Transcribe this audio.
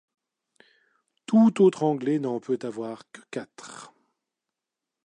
Tout autre anglais n’en peut avoir que quatre.